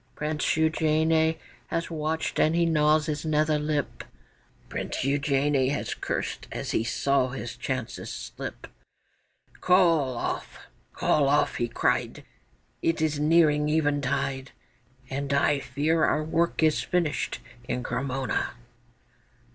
Prince Eugène has watched, and he gnaws his nether lip; Prince Eugène has cursed as he saw his chances slip: 'Call off! Call off!' he cried, 'It is nearing eventide, And I fear our work is finished in Cremona.